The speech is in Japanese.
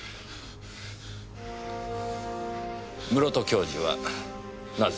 室戸教授はなぜ？